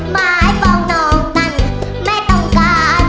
ไบบองน้องตันไม่ต้องการ